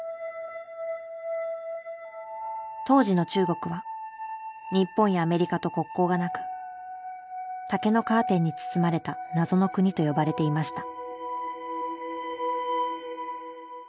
当時の中国は日本やアメリカと国交がなく竹のカーテンに包まれた謎の国と呼ばれていました。